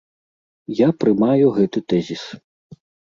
Я прымаю гэты тэзіс.